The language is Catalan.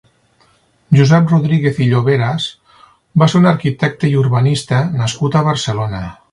Josep Rodríguez i Lloveras va ser un arquitecte i urbanista nascut a Barcelona.